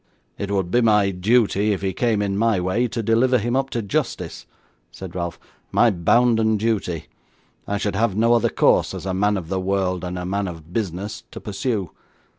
'It would be my duty, if he came in my way, to deliver him up to justice,' said Ralph, 'my bounden duty; I should have no other course, as a man of the world and a man of business, to pursue.